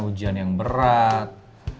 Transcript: ujian yang berat